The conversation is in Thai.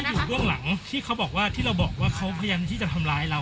อยู่เบื้องหลังที่เขาบอกว่าที่เราบอกว่าเขาพยายามที่จะทำร้ายเรา